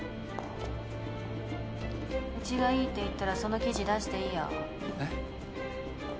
めうちがいいって言ったらその記事出しえっ？